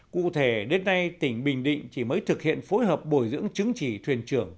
cụ thể đến nay tỉnh bình định chỉ mới thực hiện phối hợp bồi dưỡng chứng chỉ thuyền trưởng